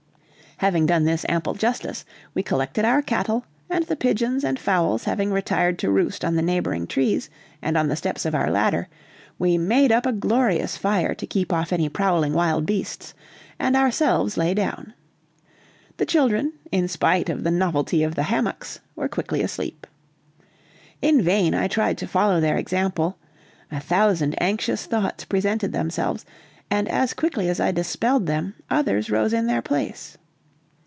Having done this ample justice, we collected our cattle, and the pigeons and fowls having retired to roost on the neighboring trees, and on the steps of our ladder, we made up a glorious fire to keep off any prowling wild beasts, and ourselves lay down. The children, in spite of the novelty of the hammocks, were quickly asleep. In vain I tried to follow their example; a thousand anxious thoughts presented themselves, and as quickly as I dispelled them others rose in their place.